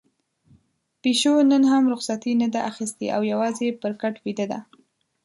پيشو نن هم رخصتي نه ده اخیستې او يوازې پر کټ ويده ده.